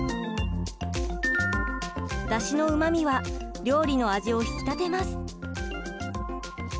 だしのうまみは料理の味を引き立てます。